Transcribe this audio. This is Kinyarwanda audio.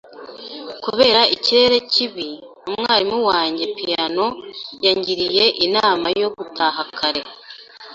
Kubera ikirere kibi, umwarimu wanjye piyano yangiriye inama yo gutaha kare.